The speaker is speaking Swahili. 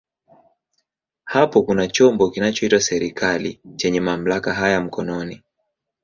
Hapo kuna chombo kinachoitwa serikali chenye mamlaka haya mkononi.